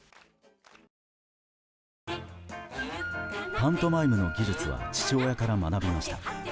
パントマイムの技術は父親から学びました。